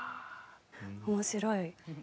面白い。